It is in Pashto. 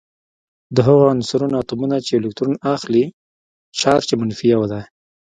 د هغو عنصرونو اتومونه چې یو الکترون اخلي چارج یې منفي یو دی.